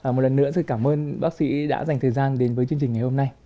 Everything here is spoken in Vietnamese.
một lần nữa xin cảm ơn bác sĩ đã dành thời gian đến với chương trình ngày hôm nay